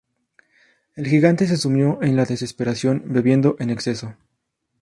El gigante se sumió en la desesperación, bebiendo en exceso.